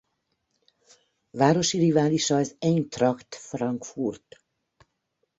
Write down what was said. Városi riválisa az Eintracht Frankfurt.